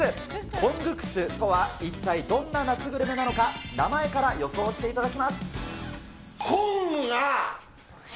コングクスとは一体、どんな夏グルメなのか、名前から予想していただきます。